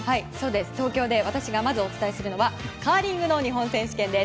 東京で私がまずお伝えするのはカーリングの日本選手権です。